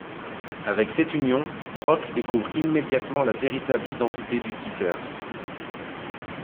Avec cette union, Brock découvre immédiatement la véritable identité du Tisseur.